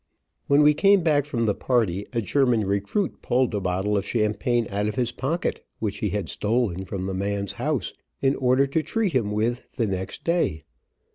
When we came back from the party a German recruit pulled a bottle of champagne out of his pocket, which he had stolen from the man's house in order to treat him with the next day.